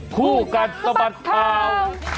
คู่กัดสะบัดข่าว